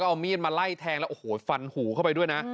ก็เอามีดมาไล่แทงแล้วฝันหูเข้าไปด้วยนะ